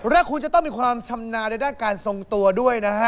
และคุณจะต้องมีความชำนาญในด้านการทรงตัวด้วยนะฮะ